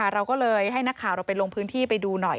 เราก็เลยให้นักข่าวเราไปลงพื้นที่ไปดูหน่อย